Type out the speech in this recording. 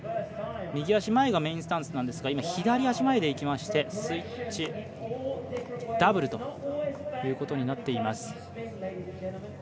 右足前がメインスタンスですが今は左足前でいってスイッチダブルということになっています。